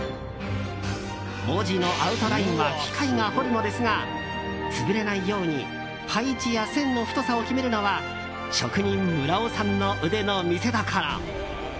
文字のアウトラインは機械が彫るのですが潰れないように配置や線の太さを決めるのは職人・村尾さんの腕の見せどころ。